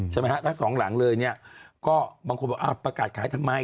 ถ้า๒หลังเลยก็บางคนบอกประกาศขายทำไม